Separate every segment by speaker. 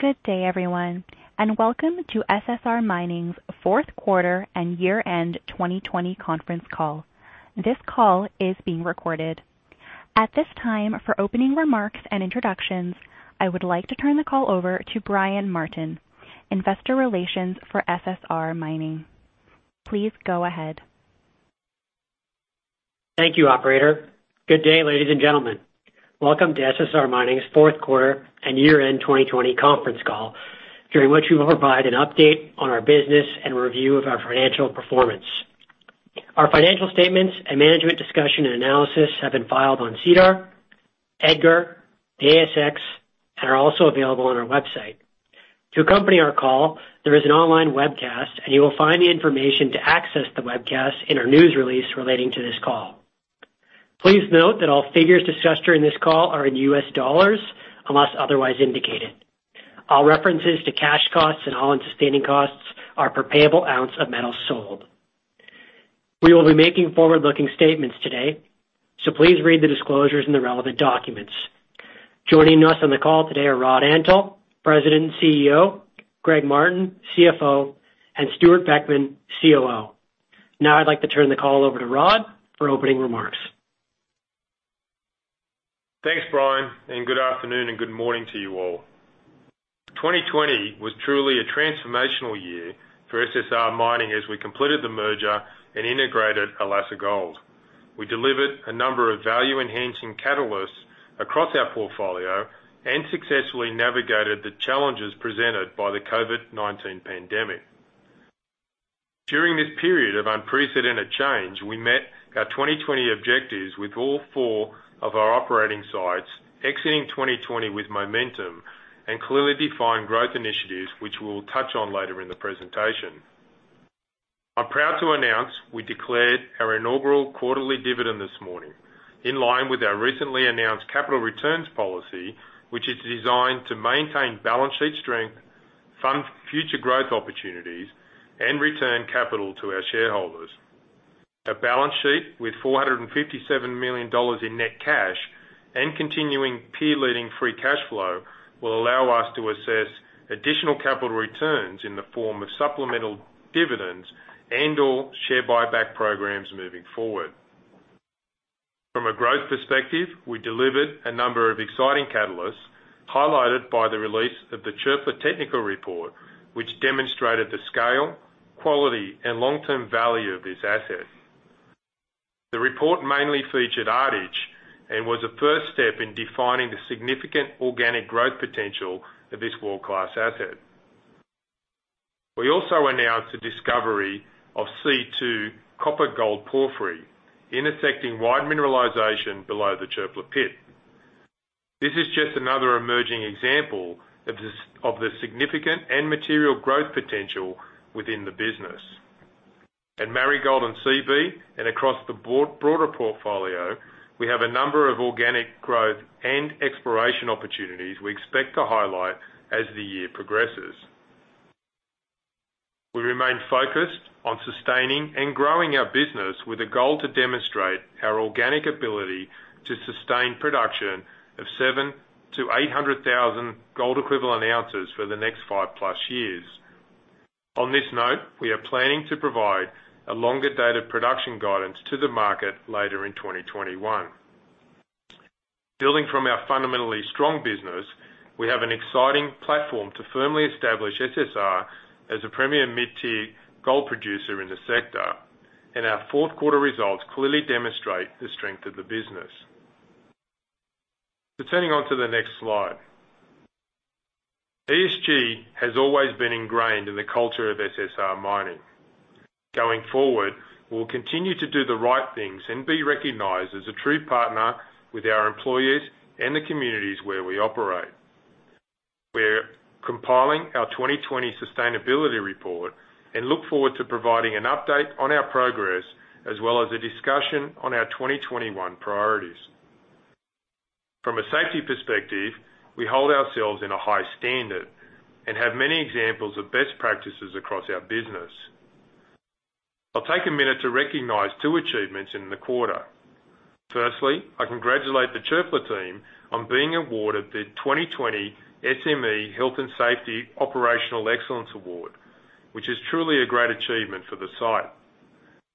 Speaker 1: Good day, everyone, and welcome to SSR Mining's fourth quarter and year-end 2020 conference call. This call is being recorded. At this time, for opening remarks and introductions, I would like to turn the call over to Brian Martin, investor relations for SSR Mining. Please go ahead.
Speaker 2: Thank you, operator. Good day, ladies and gentlemen. Welcome to SSR Mining's fourth quarter and year-end 2020 conference call, during which we will provide an update on our business and review of our financial performance. Our financial statements and management discussion and analysis have been filed on SEDAR, EDGAR, the ASX, and are also available on our website. To accompany our call, there is an online webcast, and you will find the information to access the webcast in our news release relating to this call. Please note that all figures discussed during this call are in U.S. dollars unless otherwise indicated. All references to cash costs and all-in sustaining costs are per payable ounce of metal sold. We will be making forward-looking statements today, so please read the disclosures and the relevant documents. Joining us on the call today are Rod Antal, President and CEO, Greg Martin, CFO, and Stewart Beckman, COO. I'd like to turn the call over to Rod for opening remarks.
Speaker 3: Thanks, Brian, and good afternoon and good morning to you all. 2020 was truly a transformational year for SSR Mining as we completed the merger and integrated Alacer Gold. We delivered a number of value-enhancing catalysts across our portfolio and successfully navigated the challenges presented by the COVID-19 pandemic. During this period of unprecedented change, we met our 2020 objectives with all four of our operating sites exiting 2020 with momentum and clearly defined growth initiatives, which we'll touch on later in the presentation. I'm proud to announce we declared our inaugural quarterly dividend this morning in line with our recently announced capital returns policy, which is designed to maintain balance sheet strength, fund future growth opportunities, and return capital to our shareholders. A balance sheet with $457 million in net cash and continuing peer-leading free cash flow will allow us to assess additional capital returns in the form of supplemental dividends and/or share buyback programs moving forward. From a growth perspective, we delivered a number of exciting catalysts, highlighted by the release of the Çöpler Technical Report, which demonstrated the scale, quality, and long-term value of this asset. The report mainly featured Ardich and was the first step in defining the significant organic growth potential of this world-class asset. We also announced the discovery of C2 copper-gold porphyry, intersecting wide mineralization below the Çöpler pit. This is just another emerging example of the significant and material growth potential within the business. At Marigold and Seabee and across the broader portfolio, we have a number of organic growth and exploration opportunities we expect to highlight as the year progresses. We remain focused on sustaining and growing our business with a goal to demonstrate our organic ability to sustain production of 700,000-800,000 gold equivalent ounces for the next five-plus years. On this note, we are planning to provide a longer date of production guidance to the market later in 2021. Building from our fundamentally strong business, we have an exciting platform to firmly establish SSR as a premier mid-tier gold producer in the sector. Our fourth quarter results clearly demonstrate the strength of the business. Turning on to the next slide. ESG has always been ingrained in the culture of SSR Mining. Going forward, we'll continue to do the right things and be recognized as a true partner with our employees and the communities where we operate. We're compiling our 2020 sustainability report and look forward to providing an update on our progress, as well as a discussion on our 2021 priorities. From a safety perspective, we hold ourselves in a high standard and have many examples of best practices across our business. I'll take a minute to recognize two achievements in the quarter. Firstly, I congratulate the Çöpler team on being awarded the 2020 SME Health and Safety Operational Excellence Award, which is truly a great achievement for the site.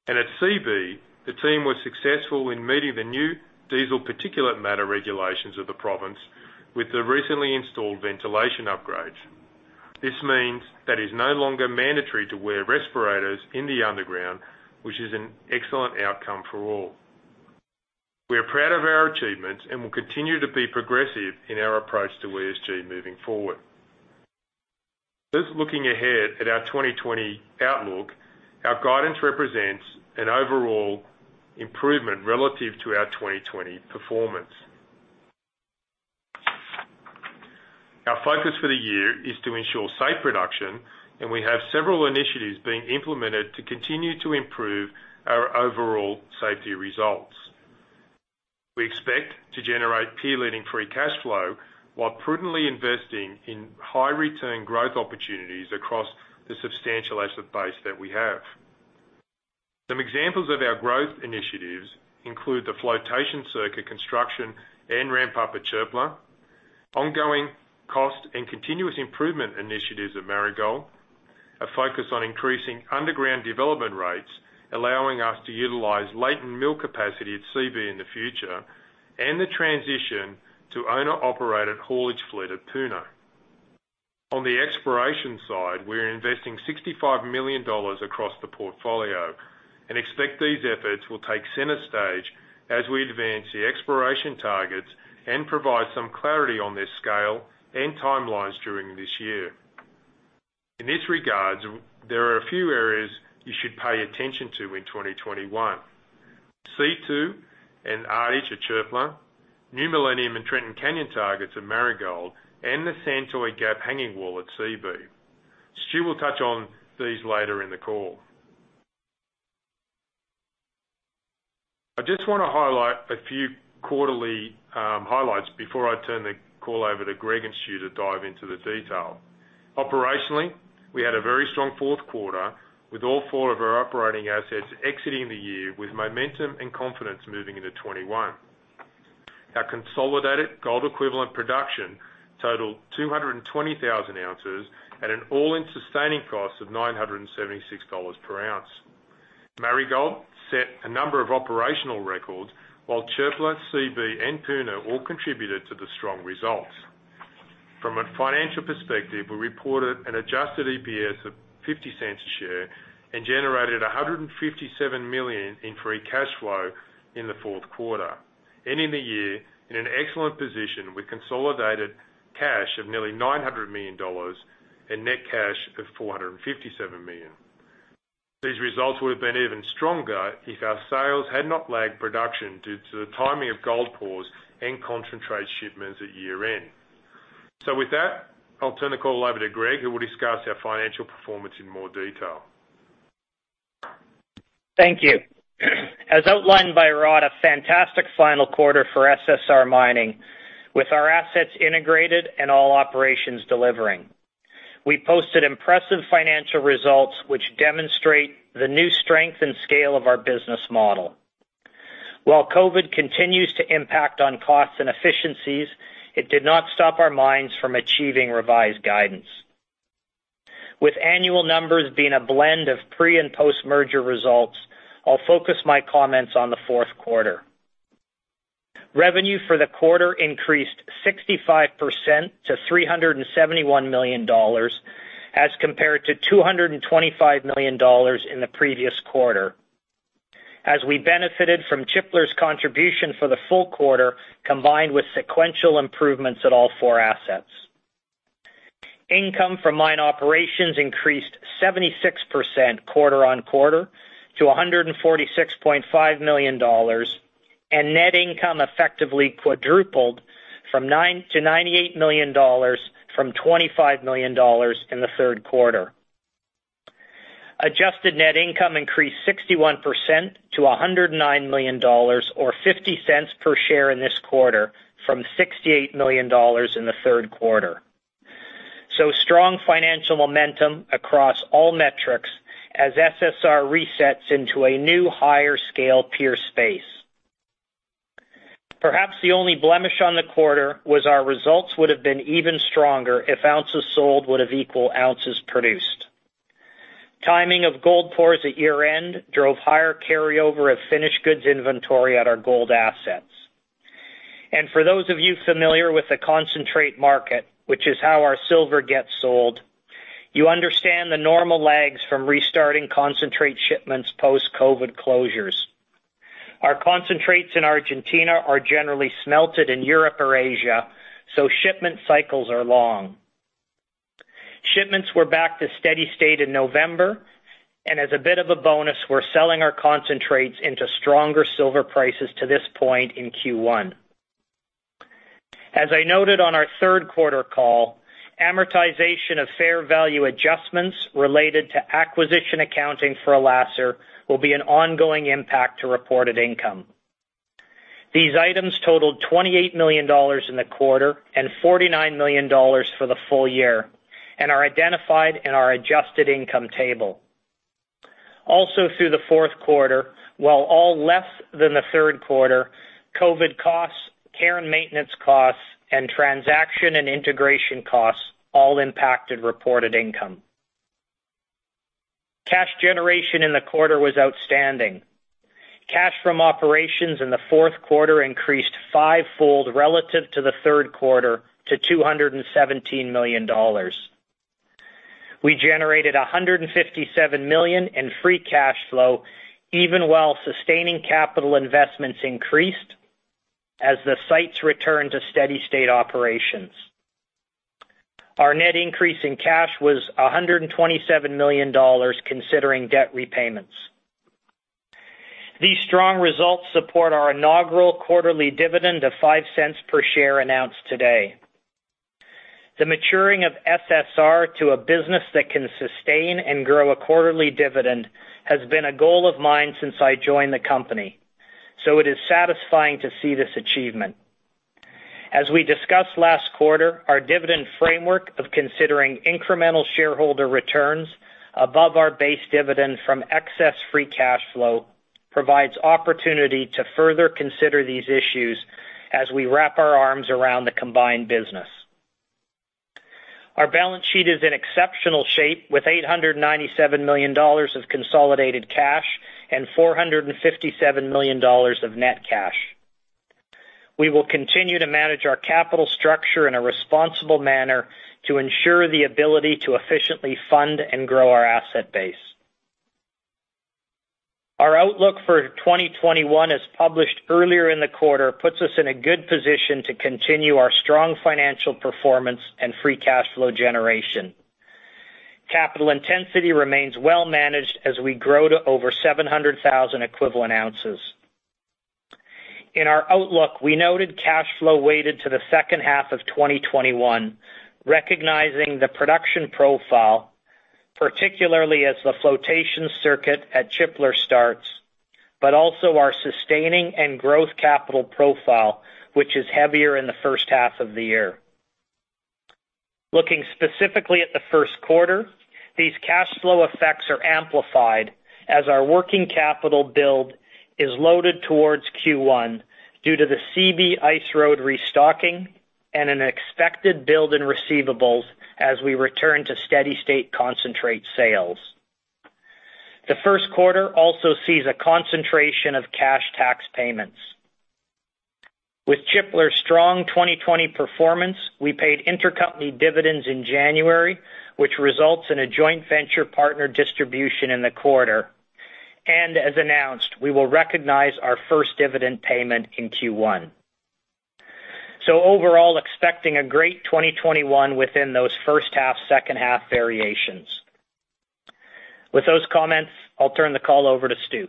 Speaker 3: At Seabee, the team was successful in meeting the new diesel particulate matter regulations of the province with the recently installed ventilation upgrades. This means that it's no longer mandatory to wear respirators in the underground, which is an excellent outcome for all. We are proud of our achievements and will continue to be progressive in our approach to ESG moving forward. Just looking ahead at our 2020 outlook, our guidance represents an overall improvement relative to our 2020 performance. Our focus for the year is to ensure safe production, and we have several initiatives being implemented to continue to improve our overall safety results. We expect to generate peer-leading free cash flow while prudently investing in high-return growth opportunities across the substantial asset base that we have. Some examples of our growth initiatives include the flotation circuit construction and ramp up at Çöpler, ongoing cost and continuous improvement initiatives at Marigold, a focus on increasing underground development rates, allowing us to utilize latent mill capacity at Seabee in the future, and the transition to owner-operated haulage fleet at Puna. On the exploration side, we're investing $65 million across the portfolio and expect these efforts will take center stage as we advance the exploration targets and provide some clarity on this scale and timelines during this year. In this regard, there are a few areas you should pay attention to in 2021. C2 and Ardich at Çöpler, New Millennium and Trenton Canyon targets at Marigold, and the Santoy Gap hanging wall at Seabee. Stu will touch on these later in the call. I just want to highlight a few quarterly highlights before I turn the call over to Greg and Stu to dive into the detail. Operationally, we had a very strong fourth quarter with all four of our operating assets exiting the year with momentum and confidence moving into 2021. Our consolidated gold equivalent production totaled 220,000 ounces at an all-in sustaining cost of $976 per ounce. Marigold set a number of operational records, while Çöpler, Seabee, and Puna all contributed to the strong results. From a financial perspective, we reported an adjusted EPS of $0.50 a share and generated $157 million in free cash flow in the fourth quarter, ending the year in an excellent position with consolidated cash of nearly $900 million and net cash of $457 million. These results would have been even stronger if our sales had not lagged production due to the timing of gold pours and concentrate shipments at year-end. With that, I'll turn the call over to Greg, who will discuss our financial performance in more detail.
Speaker 4: Thank you. As outlined by Rod, a fantastic final quarter for SSR Mining with our assets integrated and all operations delivering. We posted impressive financial results, which demonstrate the new strength and scale of our business model. While COVID-19 continues to impact on costs and efficiencies, it did not stop our mines from achieving revised guidance. With annual numbers being a blend of pre- and post-merger results, I'll focus my comments on the fourth quarter. Revenue for the quarter increased 65% to $371 million as compared to $225 million in the previous quarter as we benefited from Çöpler's contribution for the full quarter, combined with sequential improvements at all four assets. Income from mine operations increased 76% quarter-on-quarter to $146.5 million, and net income effectively quadrupled to $98 million from $25 million in the third quarter. Adjusted net income increased 61% to $109 million, or $0.50 per share in this quarter, from $68 million in the third quarter. Strong financial momentum across all metrics as SSR resets into a new higher scale peer space. Perhaps the only blemish on the quarter was our results would have been even stronger if ounces sold would have equaled ounces produced. Timing of gold pours at year-end drove higher carryover of finished goods inventory at our gold assets. For those of you familiar with the concentrate market, which is how our silver gets sold, you understand the normal lags from restarting concentrate shipments post-COVID closures. Our concentrates in Argentina are generally smelted in Europe or Asia, shipment cycles are long. Shipments were back to steady state in November, and as a bit of a bonus, we are selling our concentrates into stronger silver prices to this point in Q1. As I noted on our third quarter call, amortization of fair value adjustments related to acquisition accounting for Alacer will be an ongoing impact to reported income. These items totaled $28 million in the quarter and $49 million for the full year and are identified in our adjusted income table. Also through the fourth quarter, while all less than the third quarter, COVID costs, care and maintenance costs, and transaction and integration costs all impacted reported income. Cash generation in the quarter was outstanding. Cash from operations in the fourth quarter increased fivefold relative to the third quarter to $217 million. We generated $157 million in free cash flow, even while sustaining capital investments increased as the sites returned to steady state operations. Our net increase in cash was $127 million considering debt repayments. These strong results support our inaugural quarterly dividend of $0.5 per share announced today. The maturing of SSR Mining to a business that can sustain and grow a quarterly dividend has been a goal of mine since I joined the company, so it is satisfying to see this achievement. As we discussed last quarter, our dividend framework of considering incremental shareholder returns above our base dividend from excess free cash flow provides opportunity to further consider these issues as we wrap our arms around the combined business. Our balance sheet is in exceptional shape with $897 million of consolidated cash and $457 million of net cash. We will continue to manage our capital structure in a responsible manner to ensure the ability to efficiently fund and grow our asset base. Our outlook for 2021, as published earlier in the quarter, puts us in a good position to continue our strong financial performance and free cash flow generation. Capital intensity remains well managed as we grow to over 700,000 equivalent ounces. In our outlook, we noted cash flow weighted to the second half of 2021, recognizing the production profile, particularly as the flotation circuit at Çöpler starts, but also our sustaining and growth capital profile, which is heavier in the first half of the year. Looking specifically at the first quarter, these cash flow effects are amplified as our working capital build is loaded towards Q1 due to the Seabee ice road restocking and an expected build in receivables as we return to steady state concentrate sales. The first quarter also sees a concentration of cash tax payments. With Çöpler's strong 2020 performance, we paid intercompany dividends in January, which results in a joint venture partner distribution in the quarter. As announced, we will recognize our first dividend payment in Q1. Overall, expecting a great 2021 within those first half, second half variations. With those comments, I'll turn the call over to Stu.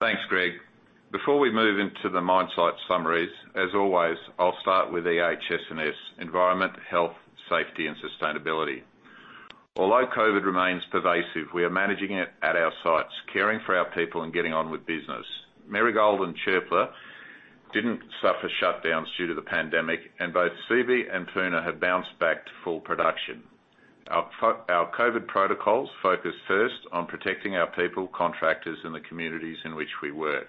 Speaker 5: Thanks, Greg. Before we move into the mine site summaries, as always, I'll start with EHS&S, environment, health, safety, and sustainability. Although COVID remains pervasive, we are managing it at our sites, caring for our people and getting on with business. Marigold and Çöpler didn't suffer shutdowns due to the pandemic, and both Seabee and Puna have bounced back to full production. Our COVID protocols focus first on protecting our people, contractors in the communities in which we work.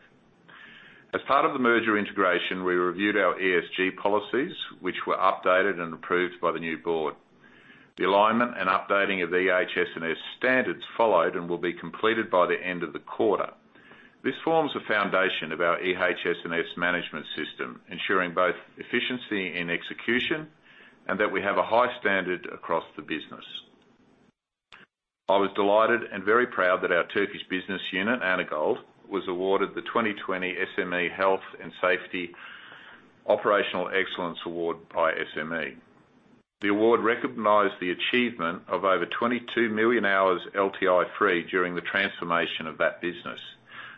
Speaker 5: As part of the merger integration, we reviewed our ESG policies, which were updated and approved by the new board. The alignment and updating of EHS&S standards followed and will be completed by the end of the quarter. This forms a foundation of our EHS&S management system, ensuring both efficiency in execution and that we have a high standard across the business. I was delighted and very proud that our Turkish business unit, Anagold, was awarded the 2020 SME Health and Safety Operational Excellence Award by SME. The award recognized the achievement of over 22 million hours LTI-free during the transformation of that business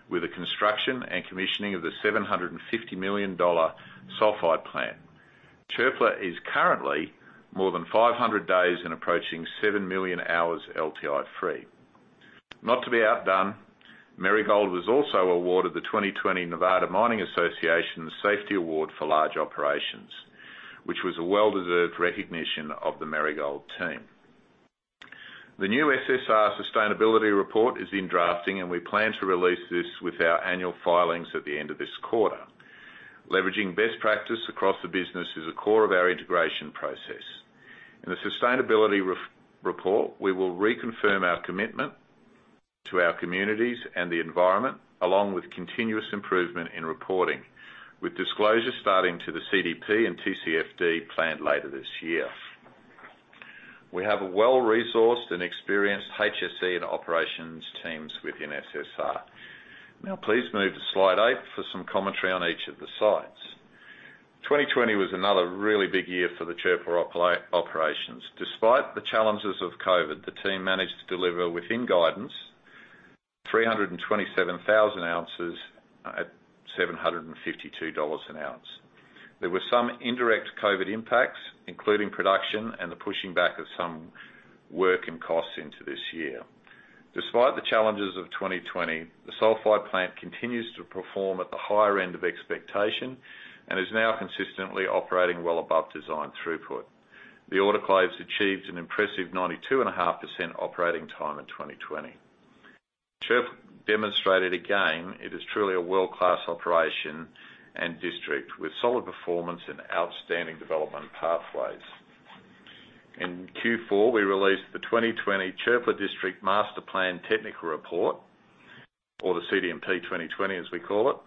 Speaker 5: with the construction and commissioning of the $750 million sulfide plant. Çöpler is currently more than 500 days and approaching 7 million hours LTI-free. Not to be outdone, Marigold was also awarded the 2020 Nevada Mining Association Safety Award for Large Operations, which was a well-deserved recognition of the Marigold team. The new SSR sustainability report is in drafting, and we plan to release this with our annual filings at the end of this quarter. Leveraging best practice across the business is a core of our integration process. In the sustainability report, we will reconfirm our commitment to our communities and the environment, along with continuous improvement in reporting, with disclosure starting to the CDP and TCFD planned later this year. We have a well-resourced and experienced HSE and operations teams within SSR. Now, please move to slide eight for some commentary on each of the sites. 2020 was another really big year for the Çöpler operations. Despite the challenges of COVID, the team managed to deliver within guidance 327,000 ounces at $752 an ounce. There were some indirect COVID impacts, including production and the pushing back of some work and costs into this year. Despite the challenges of 2020, the sulfide plant continues to perform at the higher end of expectation and is now consistently operating well above design throughput. The autoclaves achieved an impressive 92.5% operating time in 2020. Çöpler demonstrated again it is truly a world-class operation and district with solid performance and outstanding development pathways. In Q4, we released the 2020 Çöpler District Master Plan technical report, or the CDMP 2020, as we call it.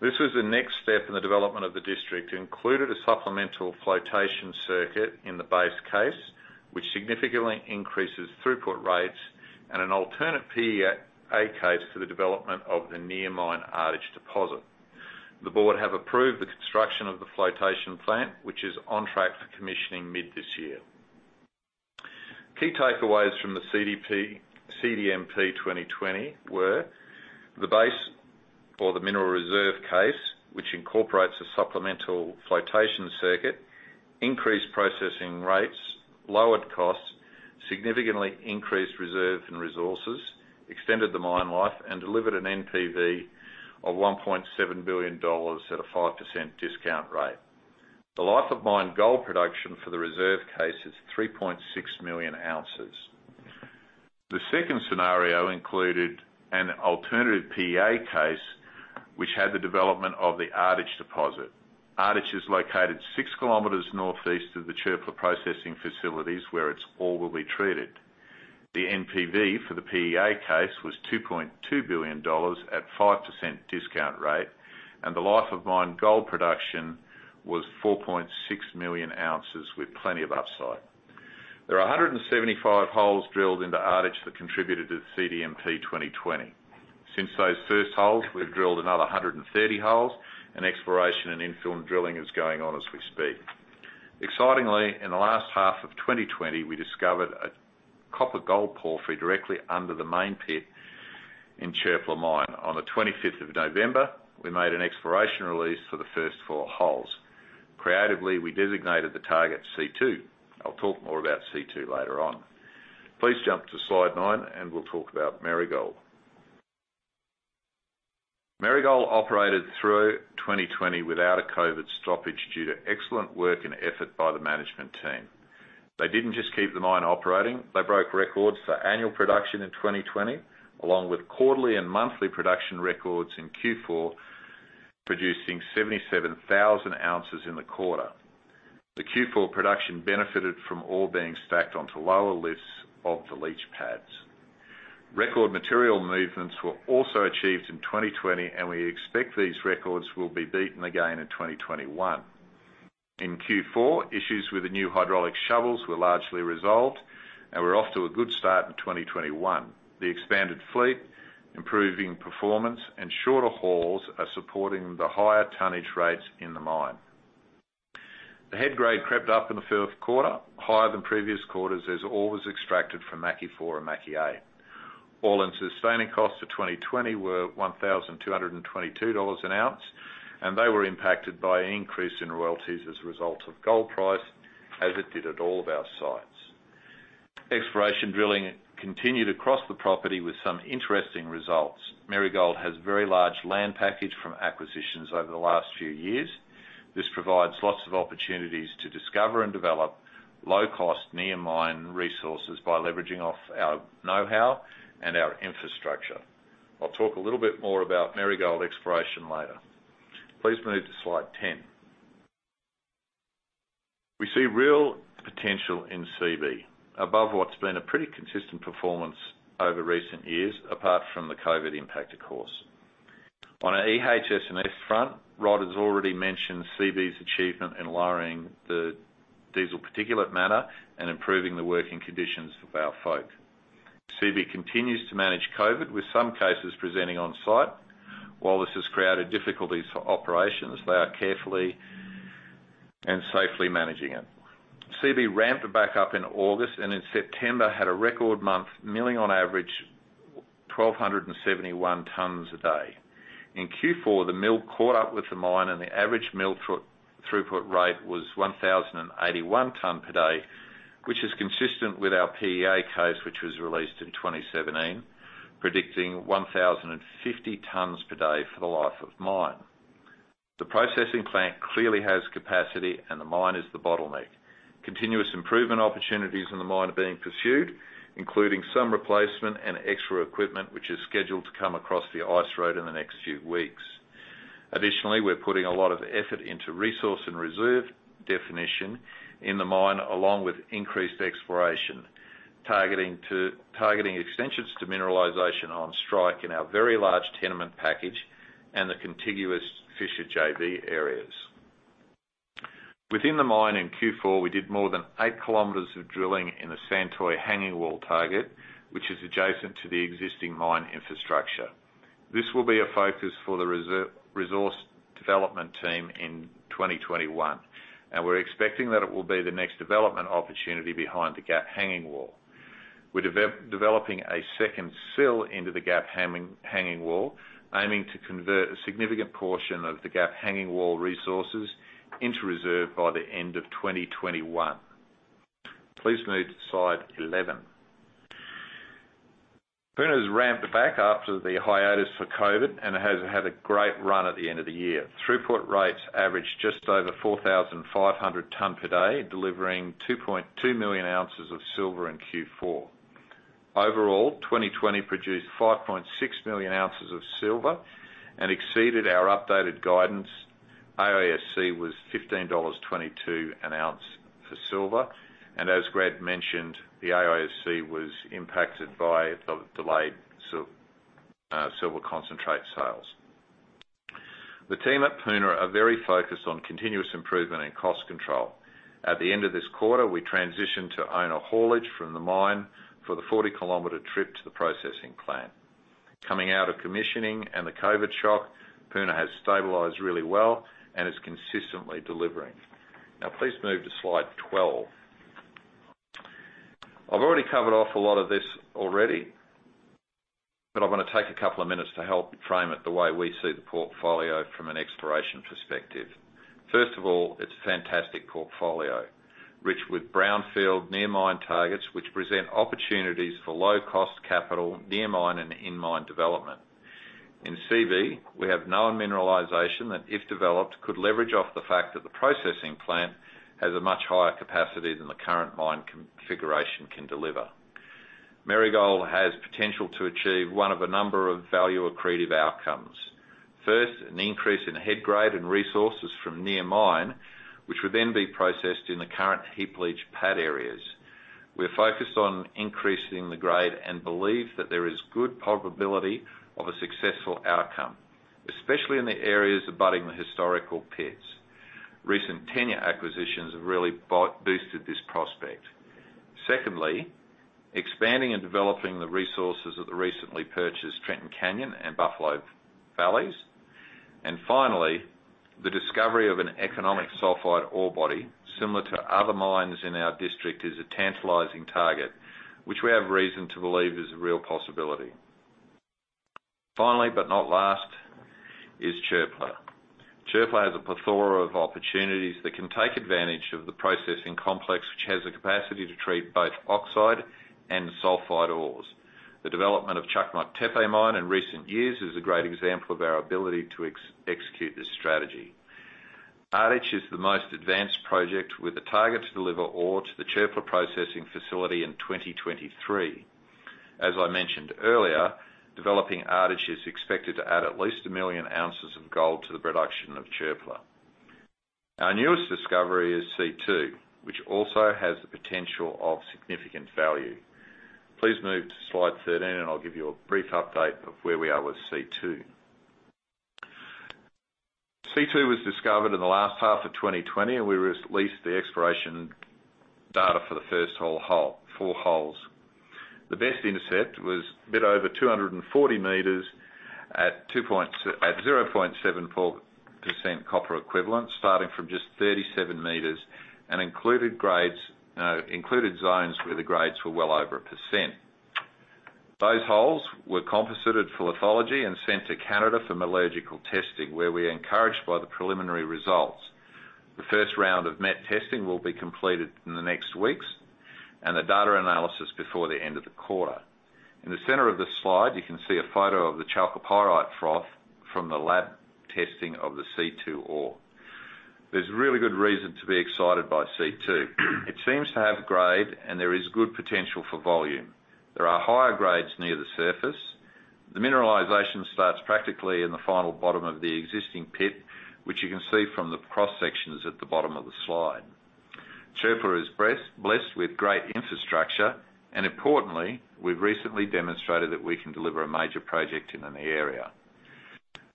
Speaker 5: This was the next step in the development of the district. It included a supplemental flotation circuit in the base case, which significantly increases throughput rates and an alternate PEA case for the development of the near mine Ardich deposit. The board have approved the construction of the flotation plant, which is on track for commissioning mid this year. Key takeaways from the CDMP 2020 were the base or the mineral reserve case, which incorporates a supplemental flotation circuit, increased processing rates, lowered costs, significantly increased reserves and resources, extended the mine life, and delivered an NPV of $1.7 billion at a 5% discount rate. The life of mine gold production for the reserve case is 3.6 million ounces. The second scenario included an alternative PEA case, which had the development of the Ardich deposit. Ardich is located 6 km northeast of the Çöpler processing facilities, where its ore will be treated. The NPV for the PEA case was $2.2 billion at 5% discount rate, and the life of mine gold production was 4.6 million ounces with plenty of upside. There are 175 holes drilled into Ardich that contributed to the CDMP 2020. Since those first holes, we've drilled another 130 holes, and exploration and infill drilling is going on as we speak. Excitingly, in the last half of 2020, we discovered a copper gold porphyry directly under the main pit in Çöpler mine. On the 25th of November, we made an exploration release for the first four holes. Creatively, we designated the target C2. I'll talk more about C2 later on. Please jump to slide nine and we'll talk about Marigold. Marigold operated through 2020 without a COVID stoppage due to excellent work and effort by the management team. They didn't just keep the mine operating, they broke records for annual production in 2020, along with quarterly and monthly production records in Q4, producing 77,000 ounces in the quarter. The Q4 production benefited from ore being stacked onto lower lifts of the leach pads. Record material movements were also achieved in 2020, and we expect these records will be beaten again in 2021. In Q4, issues with the new hydraulic shovels were largely resolved, and we're off to a good start in 2021. The expanded fleet, improving performance, and shorter hauls are supporting the higher tonnage rates in the mine. The head grade crept up in the third quarter, higher than previous quarters as ore was extracted from Mackay 4 and Mackay [8]. All-in sustaining costs for 2020 were $1,222 an ounce. They were impacted by an increase in royalties as a result of gold price, as it did at all of our sites. Exploration drilling continued across the property with some interesting results. Marigold has a very large land package from acquisitions over the last few years. This provides lots of opportunities to discover and develop low-cost near mine resources by leveraging off our know-how and our infrastructure. I'll talk a little bit more about Marigold exploration later. Please move to slide 10. We see real potential in Seabee above what's been a pretty consistent performance over recent years, apart from the COVID-19 impact, of course. On our EHS&S front, Rod has already mentioned Seabee's achievement in lowering the diesel particulate matter and improving the working conditions for our folk. Seabee continues to manage COVID, with some cases presenting on-site. While this has created difficulties for operations, they are carefully and safely managing it. Seabee ramped back up in August and in September had a record month, milling on average 1,271 tonnes a day. In Q4, the mill caught up with the mine and the average mill throughput rate was 1,081 tonnes per day, which is consistent with our PEA case, which was released in 2017, predicting 1,050 tonnes per day for the life of mine. The processing plant clearly has capacity and the mine is the bottleneck. Continuous improvement opportunities in the mine are being pursued, including some replacement and extra equipment, which is scheduled to come across the ice road in the next few weeks. Additionally, we're putting a lot of effort into resource and reserve definition in the mine, along with increased exploration, targeting extensions to mineralization on strike in our very large tenement package and the contiguous Fisher JV areas. Within the mine in Q4, we did more than eight kilometers of drilling in the Santoy hanging wall target, which is adjacent to the existing mine infrastructure. This will be a focus for the resource development team in 2021, and we're expecting that it will be the next development opportunity behind the Gap hanging wall. We're developing a second sill into the Gap hanging wall, aiming to convert a significant portion of the Gap hanging wall resources into reserve by the end of 2021. Please move to slide 11. Puna's ramped back after the hiatus for COVID and has had a great run at the end of the year. Throughput rates averaged just over 4,500 tonnes per day, delivering 2.2 million ounces of silver in Q4. Overall, 2020 produced 5.6 million ounces of silver and exceeded our updated guidance. AISC was $15.22 an ounce for silver. As Greg mentioned, the AISC was impacted by delayed silver concentrate sales. The team at Puna are very focused on continuous improvement and cost control. At the end of this quarter, we transitioned to owner haulage from the mine for the 40-kilometer trip to the processing plant. Coming out of commissioning and the COVID shock, Puna has stabilized really well and is consistently delivering. Please move to slide 12. I've already covered off a lot of this already. I want to take a couple of minutes to help frame it the way we see the portfolio from an exploration perspective. First of all, it's a fantastic portfolio, rich with brownfield near mine targets, which present opportunities for low-cost capital near mine and in mine development. In Seabee, we have known mineralization that, if developed, could leverage off the fact that the processing plant has a much higher capacity than the current mine configuration can deliver. Marigold has potential to achieve one of a number of value accretive outcomes. First, an increase in head grade and resources from near mine, which would then be processed in the current heap leach pad areas. We're focused on increasing the grade and believe that there is good probability of a successful outcome, especially in the areas abutting the historical pits. Recent tenure acquisitions have really boosted this prospect. Expanding and developing the resources of the recently purchased Trenton Canyon and Buffalo Valleys. Finally, the discovery of an economic sulfide ore body similar to other mines in our district is a tantalizing target, which we have reason to believe is a real possibility. Finally, but not last, is Çöpler. Çöpler has a plethora of opportunities that can take advantage of the processing complex, which has the capacity to treat both oxide and sulfide ores. The development of Çakmaktepe mine in recent years is a great example of our ability to execute this strategy. Ardich is the most advanced project, with a target to deliver ore to the Çöpler processing facility in 2023. As I mentioned earlier, developing Ardich is expected to add at least 1 million ounces of gold to the production of Çöpler. Our newest discovery is C2, which also has the potential of significant value. Please move to slide 13, and I'll give you a brief update of where we are with C2. C2 was discovered in the last half of 2020, and we released the exploration data for the first four holes. The best intercept was a bit over 240 m at 0.74% copper equivalent, starting from just 37 m, and included zones where the grades were well over a percent. Those holes were composited for lithology and sent to Canada for metallurgical testing, where we're encouraged by the preliminary results. The first round of MET testing will be completed in the next weeks, and the data analysis before the end of the quarter. In the center of the slide, you can see a photo of the chalcopyrite froth from the lab testing of the C2 ore. There's really good reason to be excited by C2. It seems to have grade, and there is good potential for volume. There are higher grades near the surface. The mineralization starts practically in the final bottom of the existing pit, which you can see from the cross-sections at the bottom of the slide. Çöpler is blessed with great infrastructure, and importantly, we've recently demonstrated that we can deliver a major project in the area.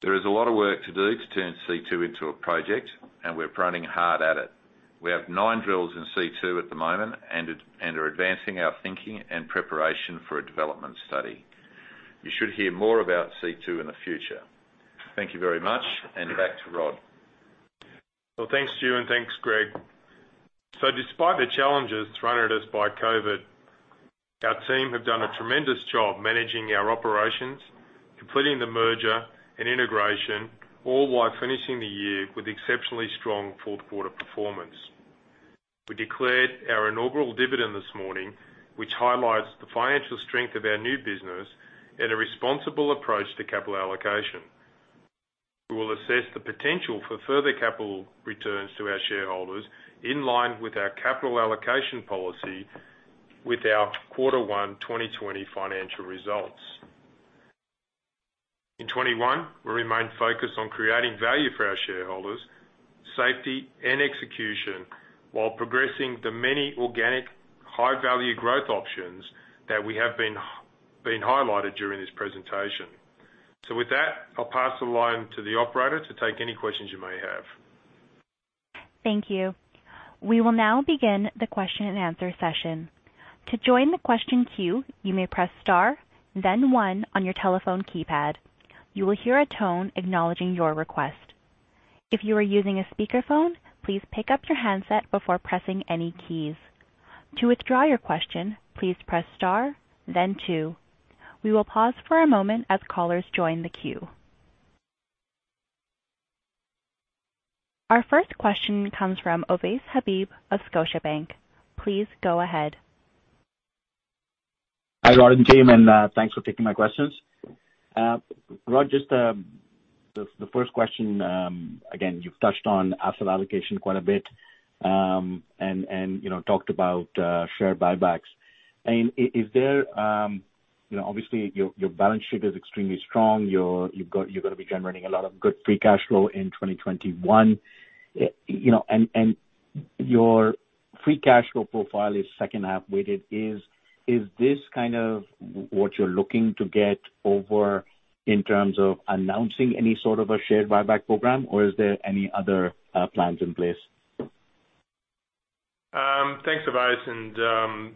Speaker 5: There is a lot of work to do to turn C2 into a project, and we're pruning hard at it. We have nine drills in C2 at the moment and are advancing our thinking and preparation for a development study. You should hear more about C2 in the future. Thank you very much. Back to Rod.
Speaker 3: Well, thanks, Stu. Thanks, Greg. Despite the challenges thrown at us by COVID, our team have done a tremendous job managing our operations, completing the merger and integration, all while finishing the year with exceptionally strong fourth quarter performance. We declared our inaugural dividend this morning, which highlights the financial strength of our new business and a responsible approach to capital allocation. We will assess the potential for further capital returns to our shareholders in line with our capital allocation policy with our quarter one 2020 financial results. In 2021, we remain focused on creating value for our shareholders, safety, and execution while progressing the many organic high-value growth options that we have been highlighting during this presentation. With that, I'll pass the line to the operator to take any questions you may have.
Speaker 1: Thank you. We will now begin the question and answer session. To join the question queue, you may press star, then one, on your telephone keypad. You will hear a tone acknowledging your request. If you are using a speakerphone, please pick up your handset before pressing any keys. To withdraw your question, please press star, then two. We will pause for a moment as callers join the queue. Our first question comes from Ovais Habib of Scotiabank. Please go ahead.
Speaker 6: Hi, Rod and team. Thanks for taking my questions. Rod, just the first question, again, you've touched on asset allocation quite a bit, and talked about share buybacks. Obviously, your balance sheet is extremely strong. You're going to be generating a lot of good free cash flow in 2021. Your free cash flow profile is second half weighted. Is this what you're looking to get over in terms of announcing any sort of a share buyback program, or is there any other plans in place?
Speaker 3: Thanks, Ovais.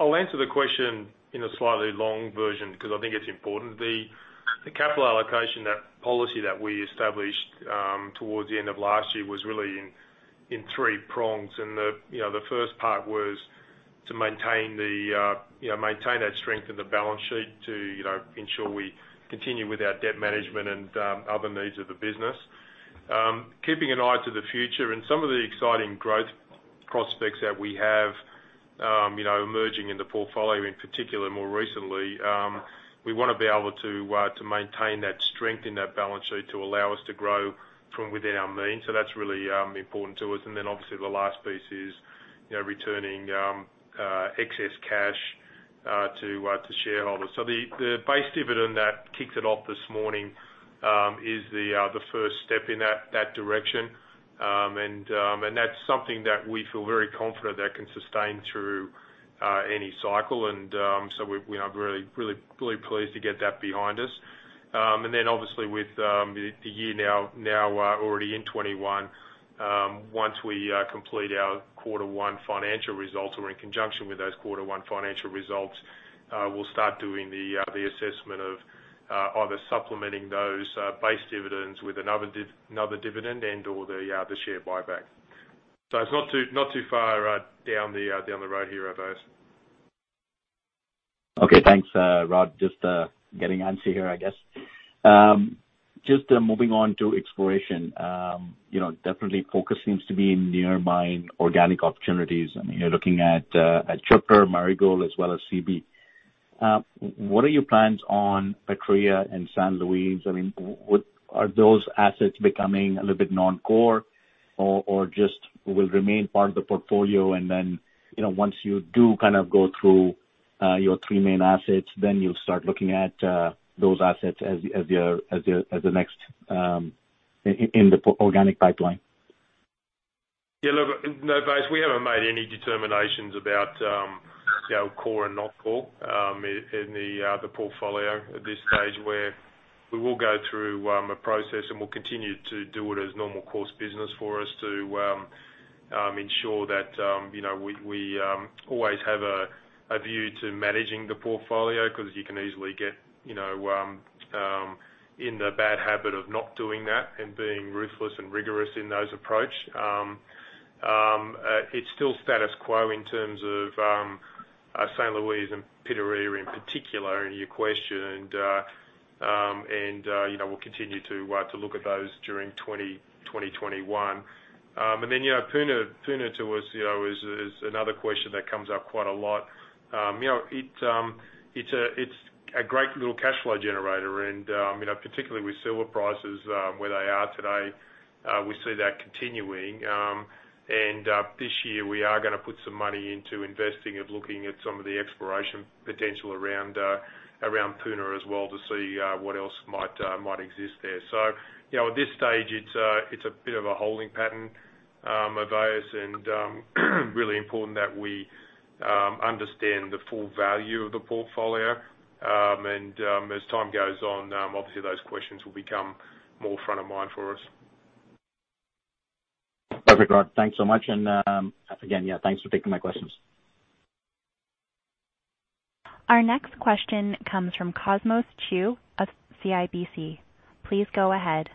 Speaker 3: I'll answer the question in a slightly long version because I think it's important. The capital allocation policy that we established towards the end of last year was really in three prongs. The first part was to maintain that strength in the balance sheet to ensure we continue with our debt management and other needs of the business. Keeping an eye to the future and some of the exciting growth prospects that we have emerging in the portfolio, in particular more recently, we want to be able to maintain that strength in that balance sheet to allow us to grow from within our means. That's really important to us. Obviously the last piece is returning excess cash to shareholders. The base dividend that kicks it off this morning is the first step in that direction. That's something that we feel very confident that can sustain through any cycle. We are really pleased to get that behind us. Obviously with the year now already in 2021, once we complete our quarter one financial results or in conjunction with those quarter one financial results, we'll start doing the assessment of either supplementing those base dividends with another dividend and/or the share buyback. It's not too far down the road here, Ovais.
Speaker 6: Okay. Thanks, Rod. Just getting antsy here, I guess. Just moving on to exploration. Definitely focus seems to be in near mine organic opportunities, and you're looking at Çöpler, Marigold, as well as Seabee. What are your plans on Pitarrilla and San Luis? Are those assets becoming a little bit non-core or just will remain part of the portfolio and then, once you do go through your three main assets, then you'll start looking at those assets as the next in the organic pipeline?
Speaker 3: Yeah, look, no, Ovais, we haven't made any determinations about core and not core in the portfolio at this stage where we will go through a process, and we'll continue to do it as normal course business for us to ensure that we always have a view to managing the portfolio, because you can easily get in the bad habit of not doing that and being ruthless and rigorous in those approach. It's still status quo in terms of San Luis and Pitarrilla in particular in your question. We'll continue to look at those during 2021. Puna to us is another question that comes up quite a lot. It's a great little cash flow generator. Particularly with silver prices where they are today, we see that continuing. This year we are going to put some money into investing of looking at some of the exploration potential around Puna as well to see what else might exist there. At this stage it's a bit of a holding pattern, Ovais, and really important that we understand the full value of the portfolio. As time goes on obviously those questions will become more front of mind for us.
Speaker 6: Perfect, Rod. Thanks so much. Again, yeah, thanks for taking my questions.
Speaker 1: Our next question comes from Cosmos Chiu of CIBC. Please go ahead.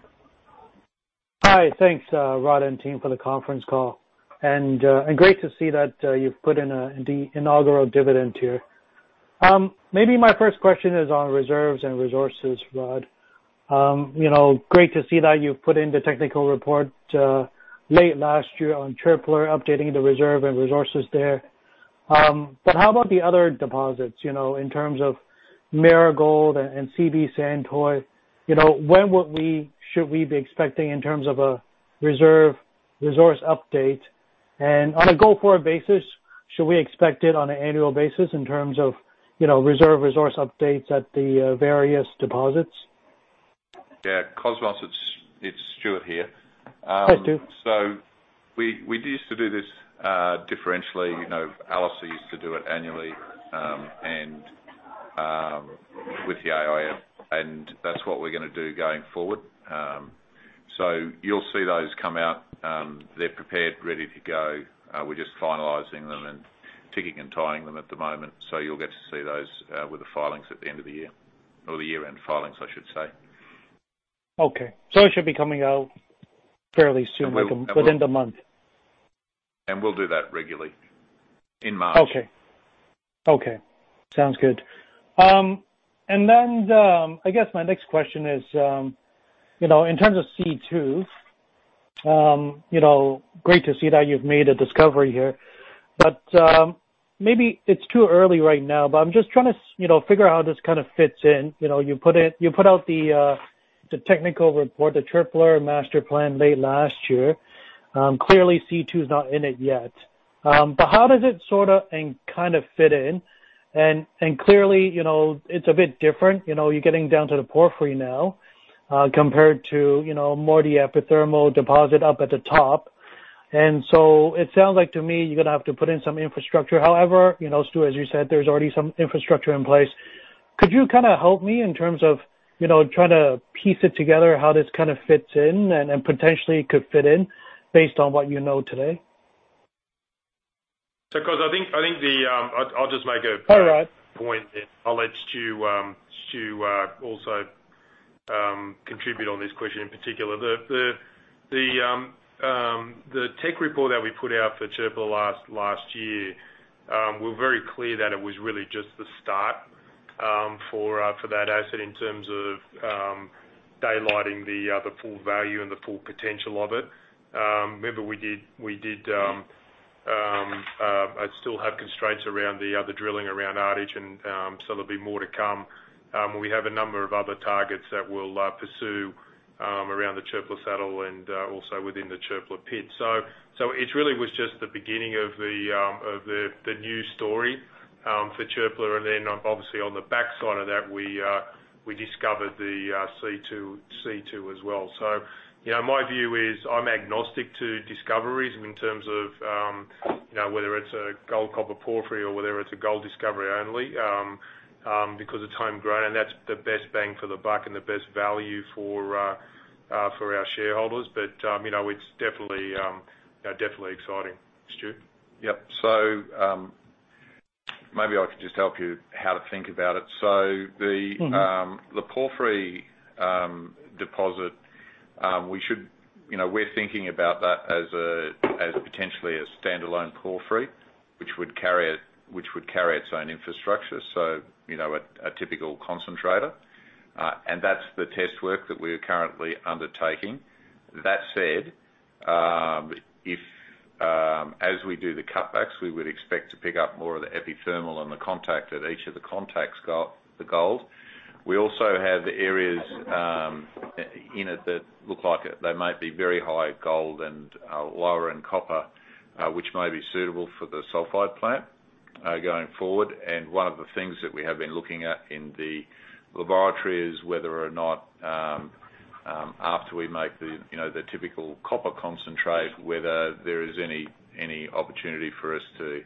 Speaker 7: Hi. Thanks, Rod and team, for the conference call, and great to see that you've put in the inaugural dividend here. Maybe my first question is on reserves and resources, Rod. Great to see that you've put in the technical report late last year on Çöpler updating the reserve and resources there. How about the other deposits, in terms of Marigold and Seabee Santoy? When should we be expecting in terms of a reserve resource update? On a go-forward basis, should we expect it on an annual basis in terms of reserve resource updates at the various deposits?
Speaker 5: Yeah. Cosmos, it's Stewart here.
Speaker 7: Hi, Stu.
Speaker 5: We used to do this differentially. Alacer used to do it annually with the AIF, and that's what we're going to do going forward. You'll see those come out. They're prepared, ready to go. We're just finalizing them and ticking and tying them at the moment. You'll get to see those with the filings at the end of the year, or the year-end filings, I should say.
Speaker 7: Okay. It should be coming out fairly soon.
Speaker 5: And we'll. Within the month. We'll do that regularly in March.
Speaker 7: Okay. Sounds good. I guess my next question is, in terms of C2, great to see that you've made a discovery here. Maybe it's too early right now, I'm just trying to figure out how this fits in. You put out the technical report, the Çöpler District Master Plan late last year. Clearly C2's not in it yet. How does it sort of and kind of fit in? Clearly, it's a bit different. You're getting down to the porphyry now compared to more the epithermal deposit up at the top. It sounds like to me you're going to have to put in some infrastructure. However, Stewart, as you said, there's already some infrastructure in place. Could you help me in terms of trying to piece it together how this fits in and potentially could fit in based on what you know today?
Speaker 3: Because I think I'll just make.
Speaker 7: All right.
Speaker 3: Point then I'll let Stu also contribute on this question, in particular. The tech report that we put out for Çöpler last year, we're very clear that it was really just the start for that asset in terms of daylighting the full value and the full potential of it. Remember I still have constraints around the other drilling around Ardich and so there'll be more to come. We have a number of other targets that we'll pursue, around the Çöpler Saddle and also within the Çöpler pit. It really was just the beginning of the new story, for Çöpler. Obviously on the backside of that, we discovered the C2 as well. My view is I'm agnostic to discoveries in terms of whether it's a gold-copper porphyry or whether it's a gold discovery only, because it's home grown, and that's the best bang for the buck and the best value for our shareholders. It's definitely exciting. Stu?
Speaker 5: Yep. Maybe I could just help you how to think about it. The porphyry deposit, we're thinking about that as potentially a standalone porphyry, which would carry its own infrastructure, so a typical concentrator. That's the test work that we are currently undertaking. That said, if as we do the cutbacks, we would expect to pick up more of the epithermal and the contact at each of the contacts gold. We also have areas in it that look like they might be very high gold and lower in copper, which may be suitable for the sulfide plant going forward. One of the things that we have been looking at in the laboratory is whether or not after we make the typical copper concentrate, whether there is any opportunity for us to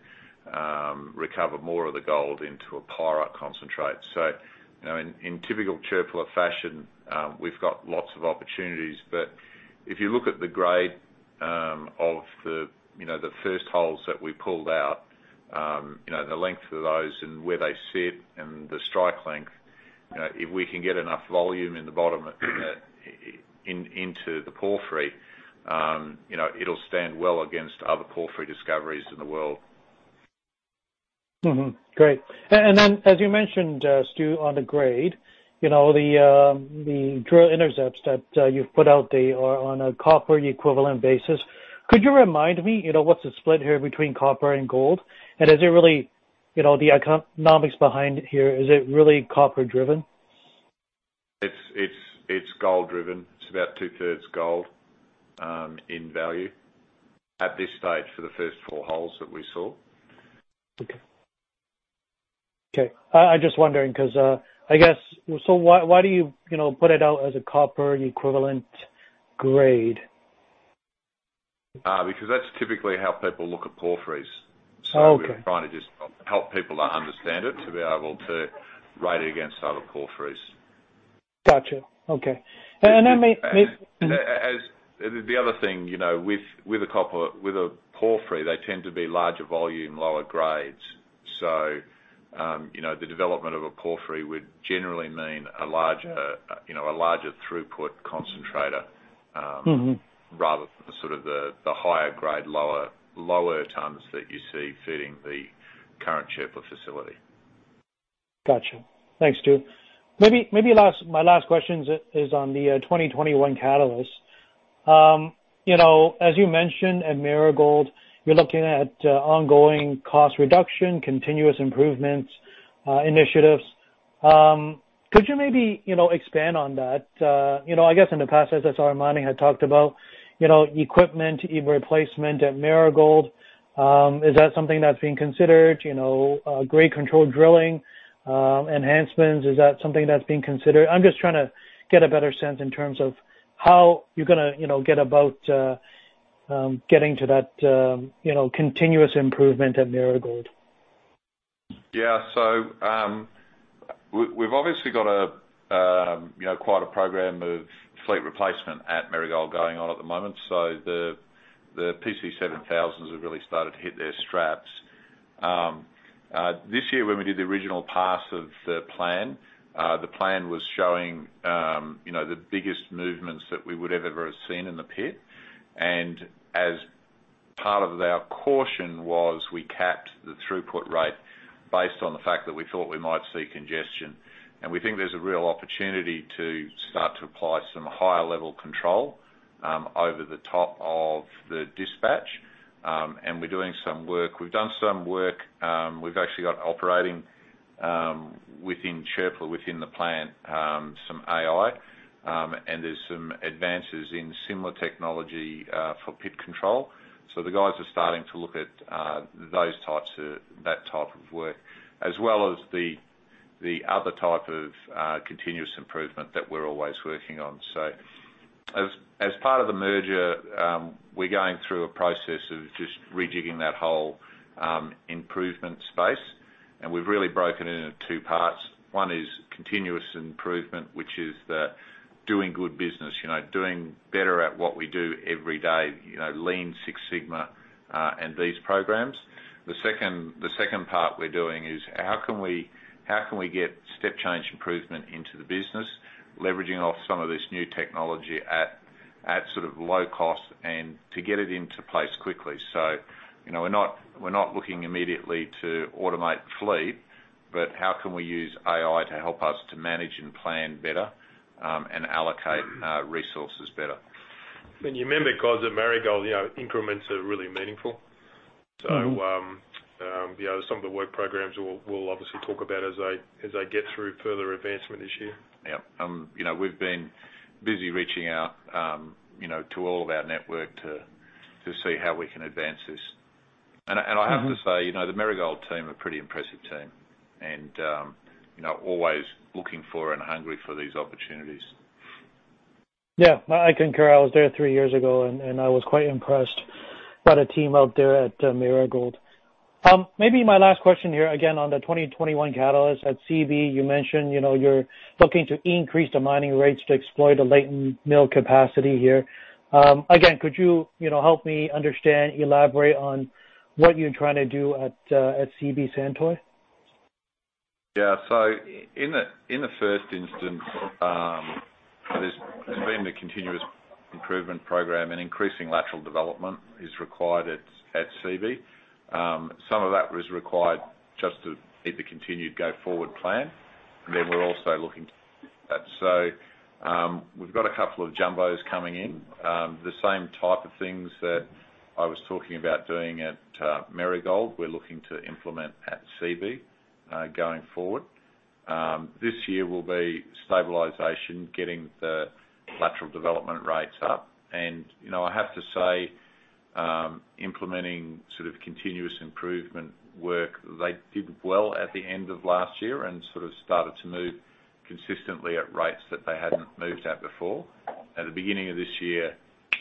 Speaker 5: recover more of the gold into a pyrite concentrate. In typical Çöplerl fashion, we've got lots of opportunities. If you look at the grade of the first holes that we pulled out, the length of those and where they sit and the strike length, if we can get enough volume in the bottom into the porphyry, it'll stand well against other porphyry discoveries in the world.
Speaker 7: Great. As you mentioned, Stu, on the grade, the drill intercepts that you've put out there are on a copper equivalent basis. Could you remind me, what's the split here between copper and gold? Is it really, the economics behind here, is it really copper driven?
Speaker 5: It's gold driven. It's about 2/3 gold, in value at this stage for the first four holes that we saw.
Speaker 7: Okay. I'm just wondering because, I guess, so why do you put it out as a copper equivalent grade?
Speaker 5: Because that's typically how people look at porphyries.
Speaker 7: Okay.
Speaker 5: We're trying to just help people understand it, to be able to rate it against other porphyries.
Speaker 7: Got you. Okay.
Speaker 5: As the other thing, with a porphyry, they tend to be larger volume, lower grades. The development of a porphyry would generally mean a larger throughput concentrator. Rather than the sort of the higher grade, lower tons that you see feeding the current Çöpler facility.
Speaker 7: Got you. Thanks, Stu. Maybe my last question is on the 2021 catalyst. As you mentioned at Marigold, you're looking at ongoing cost reduction, continuous improvements, initiatives. Could you maybe expand on that? I guess in the past, SSR Mining had talked about equipment replacement at Marigold. Is that something that's being considered? Grade control drilling, enhancements, is that something that's being considered? I'm just trying to get a better sense in terms of how you're going to get about getting to that continuous improvement at Marigold.
Speaker 5: Yeah. We've obviously got quite a program of fleet replacement at Marigold going on at the moment. The PC7000 have really started to hit their straps. This year when we did the original pass of the plan, the plan was showing the biggest movements that we would ever have seen in the pit. As part of our caution was we capped the throughput rate based on the fact that we thought we might see congestion. We think there's a real opportunity to start to apply some higher level control over the top of the dispatch. We're doing some work. We've done some work, we've actually got operating within Çöpler, within the plant, some AI, and there's some advances in similar technology for pit control. The guys are starting to look at that type of work, as well as the other type of continuous improvement that we're always working on. As part of the merger, we're going through a process of just rejigging that whole improvement space. We've really broken it into two parts. One is continuous improvement, which is the doing good business, doing better at what we do every day, Lean Six Sigma, and these programs. The second part we're doing is how can we get step change improvement into the business, leveraging off some of this new technology at low cost and to get it into place quickly. We're not looking immediately to automate fleet, but how can we use AI to help us to manage and plan better, and allocate resources better?
Speaker 3: You remember, guys, at Marigold, increments are really meaningful. Some of the work programs we'll obviously talk about as they get through further advancement this year.
Speaker 5: Yep. We've been busy reaching out to all of our network to see how we can advance this. I have to say, the Marigold team are a pretty impressive team, and always looking for and hungry for these opportunities.
Speaker 7: Yeah, I concur. I was there three years ago, and I was quite impressed by the team out there at Marigold. Maybe my last question here, again, on the 2021 catalyst. At Seabee, you mentioned you're looking to increase the mining rates to exploit the latent mill capacity here. Again, could you help me understand, elaborate on what you're trying to do at Seabee Santoy?
Speaker 5: In the first instance, there's been a continuous improvement program, and increasing lateral development is required at Seabee. Some of that was required just to meet the continued go-forward plan. We're also looking at, we've got a couple of jumbos coming in. The same type of things that I was talking about doing at Marigold, we're looking to implement at Seabee, going forward. This year will be stabilization, getting the lateral development rates up. I have to say, implementing continuous improvement work, they did well at the end of last year and started to move consistently at rates that they hadn't moved at before. At the beginning of this year,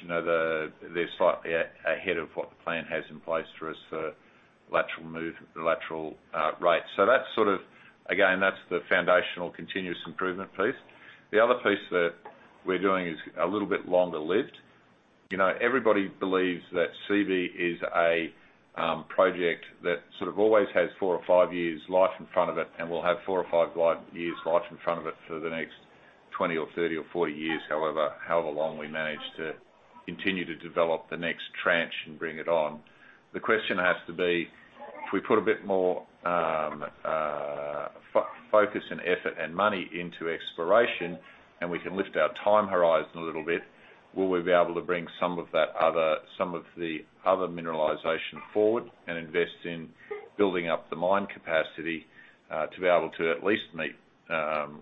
Speaker 5: they're slightly ahead of what the plan has in place for us for lateral rates. That's, again, that's the foundational continuous improvement piece. The other piece that we're doing is a little bit longer-lived. Everybody believes that Seabee is a project that sort of always has four or five years life in front of it, and will have four or five years life in front of it for the next 20 or 30 or 40 years, however long we manage to continue to develop the next tranche and bring it on. The question has to be, if we put a bit more focus and effort and money into exploration, and we can lift our time horizon a little bit, will we be able to bring some of the other mineralization forward and invest in building up the mine capacity, to be able to at least meet,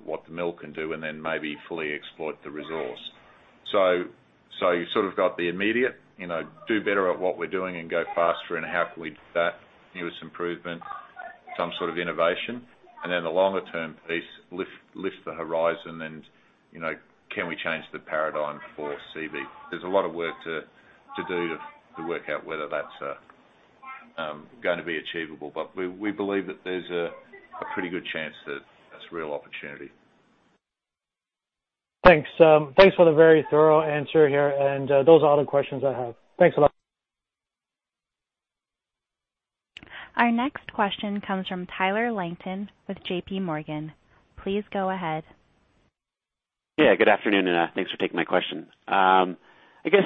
Speaker 5: what the mill can do, and then maybe fully exploit the resource? You sort of got the immediate, do better at what we're doing and go faster, and how can we do that? Newest improvement. Some sort of innovation. The longer-term piece, lift the horizon and can we change the paradigm for Seabee? There's a lot of work to do to work out whether that's going to be achievable. We believe that there's a pretty good chance that that's a real opportunity.
Speaker 7: Thanks. Thanks for the very thorough answer here. Those are all the questions I have. Thanks a lot.
Speaker 1: Our next question comes from Tyler Langton with JPMorgan. Please go ahead.
Speaker 8: Yeah. Good afternoon, thanks for taking my question. I guess,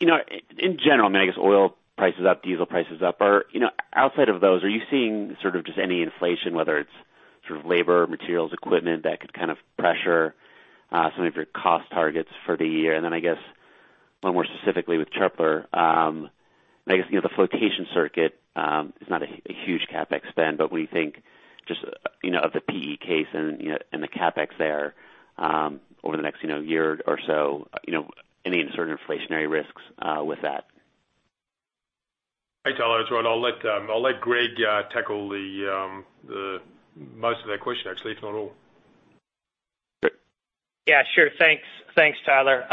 Speaker 8: in general, oil prices up, diesel prices up. Outside of those, are you seeing just any inflation, whether it's labor, materials, equipment, that could pressure some of your cost targets for the year? I guess, a little more specifically with Çöpler, I guess the flotation circuit, is not a huge CapEx spend, but when you think of the PEA case and the CapEx there over the next year or so, any sort of inflationary risks with that?
Speaker 3: Hi, Tyler. It's Rod. I'll let Greg tackle most of that question, actually, if not all.
Speaker 8: Sure.
Speaker 4: Yeah, sure. Thanks, Tyler.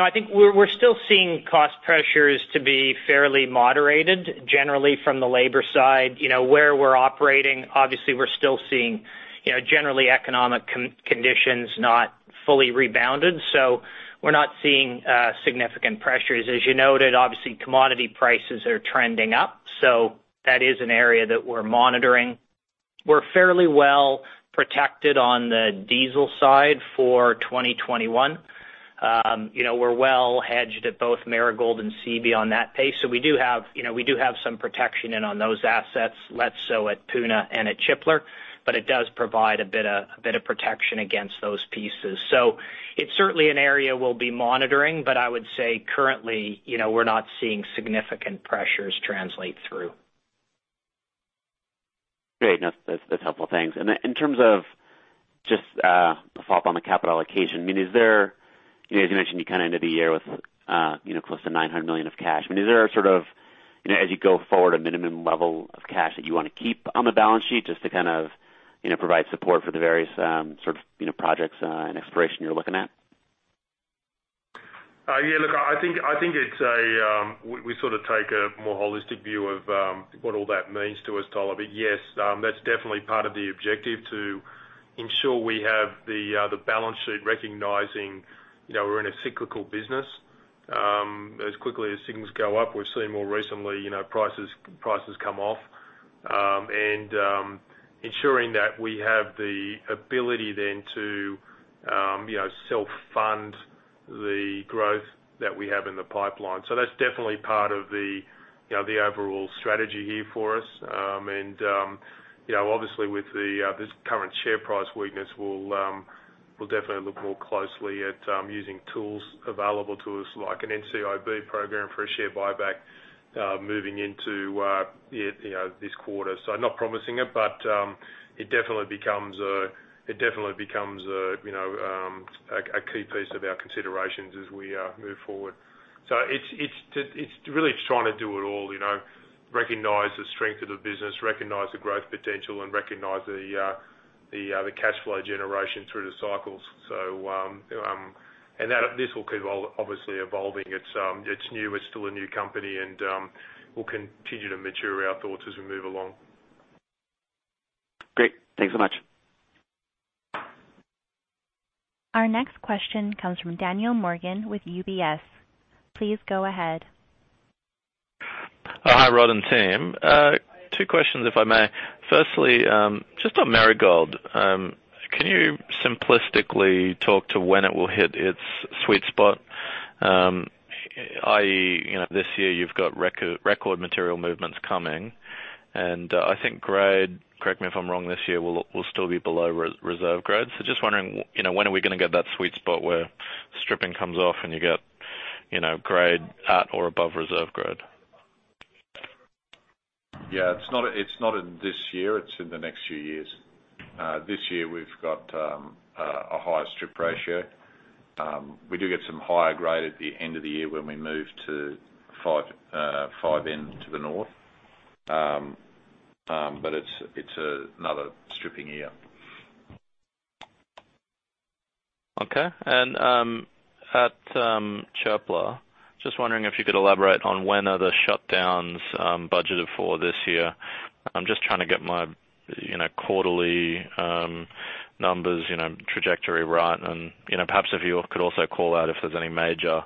Speaker 4: I think we're still seeing cost pressures to be fairly moderated, generally from the labor side. Where we're operating, obviously, we're still seeing generally economic conditions not fully rebounded. We're not seeing significant pressures. As you noted, obviously, commodity prices are trending up. That is an area that we're monitoring. We're fairly well protected on the diesel side for 2021. We're well hedged at both Marigold and Seabee on that pace. We do have some protection in on those assets, less so at Puna and at Çöpler, but it does provide a bit of protection against those pieces. It's certainly an area we'll be monitoring, but I would say currently, we're not seeing significant pressures translate through.
Speaker 8: Great. No, that's helpful. Thanks. In terms of just a follow-up on the capital allocation, as you mentioned, you end the year with close to $900 million of cash. Is there a sort of, as you go forward, a minimum level of cash that you want to keep on the balance sheet just to provide support for the various projects and exploration you're looking at?
Speaker 3: Yeah, look, I think we take a more holistic view of what all that means to us, Tyler. Yes, that's definitely part of the objective to ensure we have the balance sheet recognizing we're in a cyclical business. As quickly as things go up, we've seen more recently, prices come off. Ensuring that we have the ability then to self-fund the growth that we have in the pipeline. That's definitely part of the overall strategy here for us. Obviously, with this current share price weakness, we'll definitely look more closely at using tools available to us like an NCIB program for a share buyback, moving into this quarter. Not promising it, but it definitely becomes a key piece of our considerations as we move forward. Really, it's trying to do it all. Recognize the strength of the business, recognize the growth potential, and recognize the cash flow generation through the cycles. This will keep obviously evolving. It's new. It's still a new company. We'll continue to mature our thoughts as we move along.
Speaker 8: Great. Thanks so much.
Speaker 1: Our next question comes from Daniel Morgan with UBS. Please go ahead.
Speaker 9: Hi, Rod and team. Two questions, if I may. Firstly, just on Marigold. Can you simplistically talk to when it will hit its sweet spot? I.e., this year you've got record material movements coming, and I think grade, correct me if I'm wrong, this year, will still be below reserve grade. Just wondering, when are we going to get that sweet spot where stripping comes off and you get grade at or above reserve grade?
Speaker 5: Yeah, it's not in this year. It's in the next few years. This year, we've got a higher strip ratio. We do get some higher grade at the end of the year when we move to 5N to the north. It's another stripping year.
Speaker 9: Okay. At Çöpler, just wondering if you could elaborate on when are the shutdowns budgeted for this year. I am just trying to get my quarterly numbers trajectory right. Perhaps if you could also call out if there is any major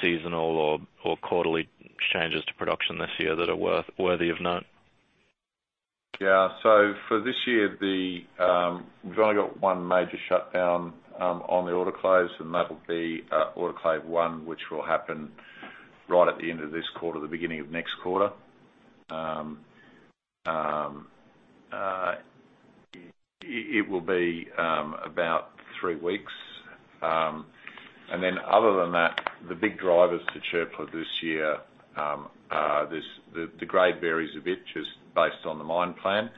Speaker 9: seasonal or quarterly changes to production this year that are worthy of note.
Speaker 5: Yeah. For this year, we've only got one major shutdown on the autoclaves, and that'll be autoclave one, which will happen right at the end of this quarter, the beginning of next quarter. It will be about three weeks. Other than that, the big drivers to Çöpler this year, the grade varies a bit just based on the mine plan.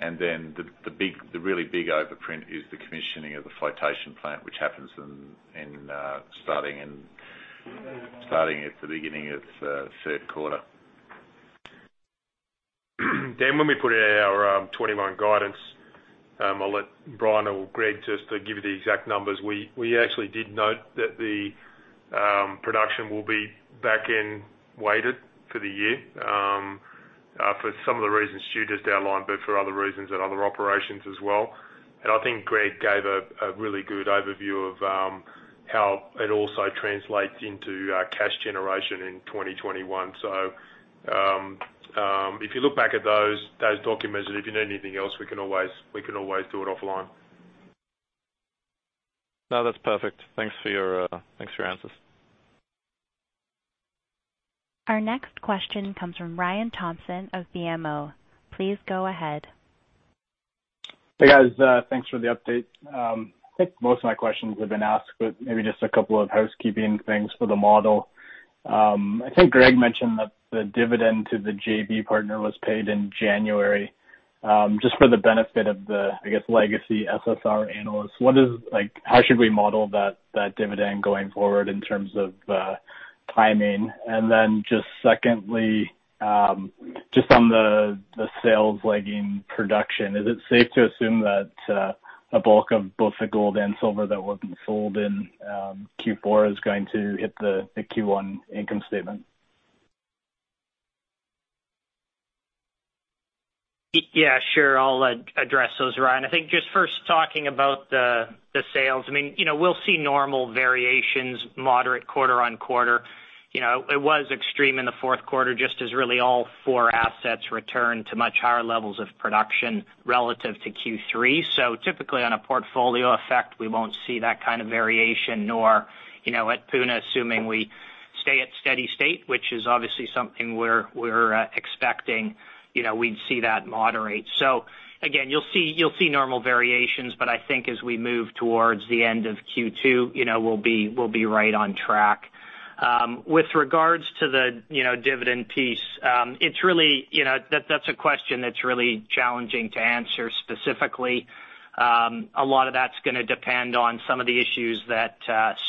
Speaker 5: The really big overprint is the commissioning of the flotation plant, which happens starting at the beginning of third quarter.
Speaker 3: Dan, when we put out our 2021 guidance, I'll let Brian or Greg just give you the exact numbers. We actually did note that the production will be back-end weighted for the year. For some of the reasons Stu just outlined, but for other reasons and other operations as well. I think Greg gave a really good overview of how it also translates into cash generation in 2021. If you look back at those documents, and if you need anything else, we can always do it offline.
Speaker 9: No, that's perfect. Thanks for your answers.
Speaker 1: Our next question comes from Ryan Thompson of BMO. Please go ahead.
Speaker 10: Hey, guys. Thanks for the update. I think most of my questions have been asked, but maybe just a couple of housekeeping things for the model. I think Greg mentioned that the dividend to the JV partner was paid in January. Just for the benefit of the, I guess, legacy SSR analysts, how should we model that dividend going forward in terms of timing? Secondly, just on the sales lagging production, is it safe to assume that a bulk of both the gold and silver that wasn't sold in Q4 is going to hit the Q1 income statement?
Speaker 4: Yeah, sure. I'll address those, Ryan. I think just first talking about the sales. We'll see normal variations moderate quarter-on-quarter. It was extreme in the fourth quarter, just as really all four assets returned to much higher levels of production relative to Q3. Typically, on a portfolio effect, we won't see that kind of variation, nor at Puna, assuming we stay at steady state, which is obviously something we're expecting, we'd see that moderate. Again, you'll see normal variations, but I think as we move towards the end of Q2, we'll be right on track. With regards to the dividend piece, that's a question that's really challenging to answer specifically. A lot of that's going to depend on some of the issues that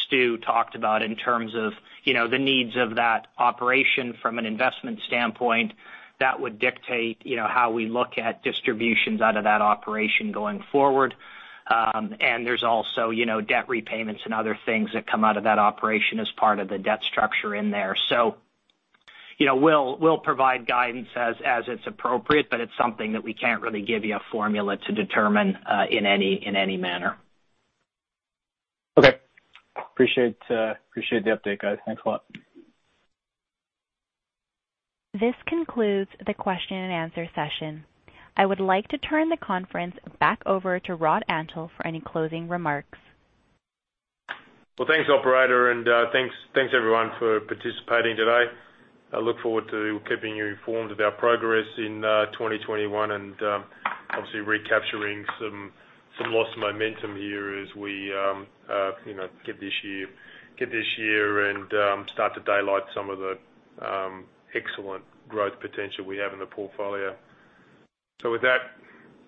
Speaker 4: Stu talked about in terms of the needs of that operation from an investment standpoint. That would dictate how we look at distributions out of that operation going forward. There's also debt repayments and other things that come out of that operation as part of the debt structure in there. We'll provide guidance as it's appropriate, but it's something that we can't really give you a formula to determine in any manner.
Speaker 10: Okay. Appreciate the update, guys. Thanks a lot.
Speaker 1: This concludes the question and answer session. I would like to turn the conference back over to Rod Antal for any closing remarks.
Speaker 3: Well, thanks, operator. Thanks everyone for participating today. I look forward to keeping you informed of our progress in 2021 and obviously recapturing some lost momentum here as we get this year and start to daylight some of the excellent growth potential we have in the portfolio. With that,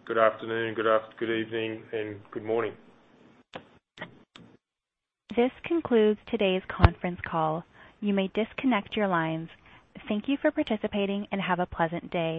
Speaker 3: good afternoon, good evening, and good morning.
Speaker 1: This concludes today's conference call. You may disconnect your lines. Thank you for participating, and have a pleasant day.